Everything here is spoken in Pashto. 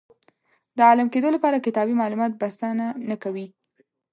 د عالم کېدو لپاره کتابي معلومات بسنه نه کوي.